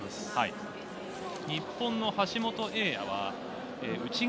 日本の橋本英也は内側。